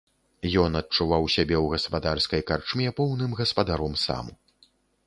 Ён адчуваў сябе ў гаспадарскай карчме поўным гаспадаром сам.